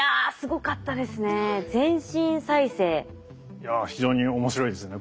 いや非常に面白いですね。